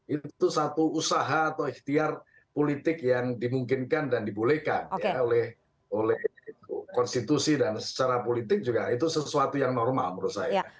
itu satu usaha atau ikhtiar politik yang dimungkinkan dan dibolehkan oleh konstitusi dan secara politik juga itu sesuatu yang normal menurut saya